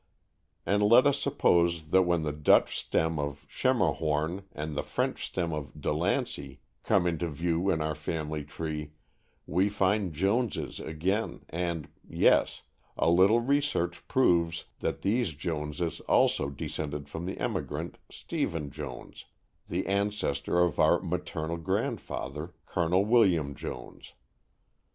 And let us suppose that when the Dutch stem of Schermerhorn and the French stem of de Lancey come into view in our family tree, we find Joneses again, and yes, a little research proves that these Joneses also descended from the emigrant, Stephen Jones, the ancestor of our maternal grandfather, Colonel William Jones.